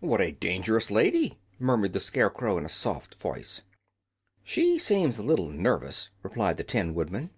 "What a dangerous lady!" murmured the Scarecrow, in a soft voice. "She seems a little nervous," replied the Tin Woodman.